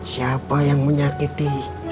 siapa yang menyakiti